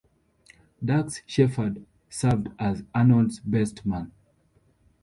Dax Shepard served as Arnold's best man.